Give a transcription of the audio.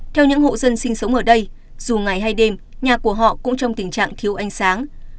theo những hộ dân sinh sống ở đây dù ngày hay đêm nhà của họ cũng trong tình trạng thiếu ánh sáng